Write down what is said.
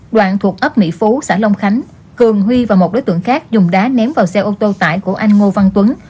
đoạn thuộc ấp mỹ phú xã long khánh cường huy và một đối tượng khác dùng đá ném vào xe ô tô tải của anh ngô văn tuấn